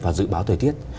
và dự báo thời tiết